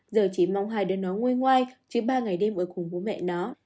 giờ chỉ mong hai đứa nó nguôi ngoai chứ ba ngày đêm ở cùng bố mẹ nó